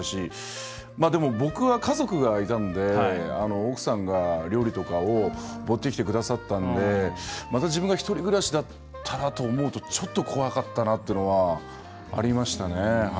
でも、僕は家族がいたんで奥さんが料理とかを持ってきてくださったのでまた自分が一人暮らしだったらと思うとちょっと怖かったなっていうのはありましたね。